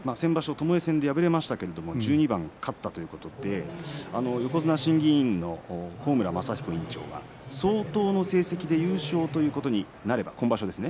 ともえ戦で破れましたけど１２番勝ったということで横綱審議委員の高村正彦委員長は相当の成績で優勝ということになれば今場所ですね